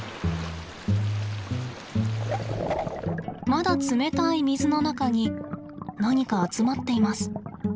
まだ冷たい水の中に何か集まっています。